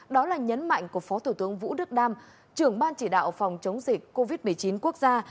đó là nhấn mạnh của phó thủ tướng vũ đức đam trưởng ban chỉ đạo phòng chống dịch covid một mươi chín quốc gia